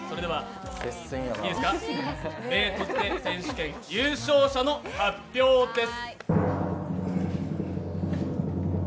選手権優勝者の発表です！